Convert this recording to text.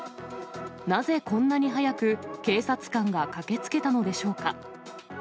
なぜこんなに早く警察官が駆けつけたのでしょうか。